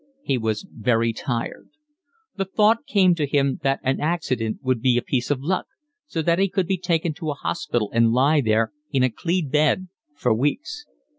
He was very tired. The thought came to him that an accident would be a piece of luck, so that he could be taken to a hospital and lie there, in a clean bed, for weeks.